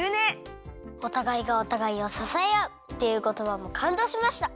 おたがいがおたがいをささえあうっていうことばもかんどうしました。